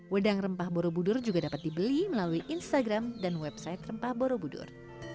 wedang rempah borobudur juga dapat dibeli melalui instagram dan website rempah borobudur